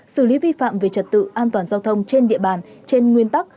xử lý vi phạm về trật tự an toàn giao thông trên địa bàn trên nguyên tắc